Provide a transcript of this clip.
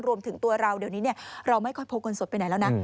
รวมถึงตัวเราเดี๋ยวนี้เราไม่ค่อยพกเงินสดไปไหนแล้วนะ